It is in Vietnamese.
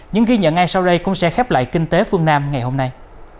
những ghi nhận ngay sau đây cũng sẽ khép lại kinh tế phương nam ngày hôm nay